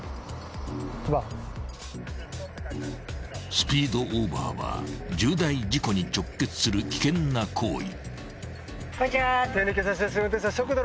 ［スピードオーバーは重大事故に直結する危険な行為］